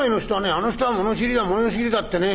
『あの人は物知りだ物知りだ』ってね